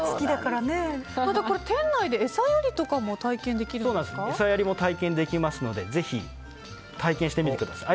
店内で餌やりとかも餌やりも体験できますのでぜひ体験してみてください。